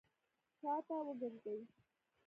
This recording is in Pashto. شاته وګرځئ!